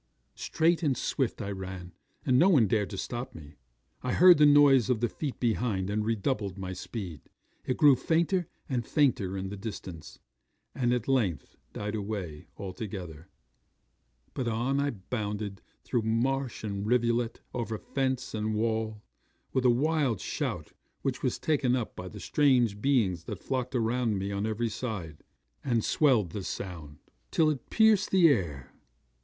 'Straight and swift I ran, and no one dared to stop me. I heard the noise of the feet behind, and redoubled my speed. It grew fainter and fainter in the distance, and at length died away altogether; but on I bounded, through marsh and rivulet, over fence and wall, with a wild shout which was taken up by the strange beings that flocked around me on every side, and swelled the sound, till it pierced the air.